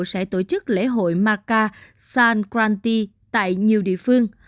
sẽ tổ chức lễ hội maka sankranti tại nhiều địa phương